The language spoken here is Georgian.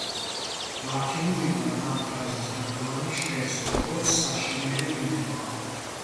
ლათინურიდან ამ ფრაზის თარგმანი ჟღერს, როგორც „საშინელი რითმა“.